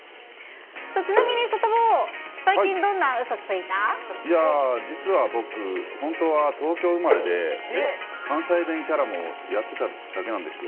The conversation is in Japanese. ちなみに、サタボー、最近、いやー、実は僕、本当は東京生まれで、関西弁キャラもやってただけなんですよ。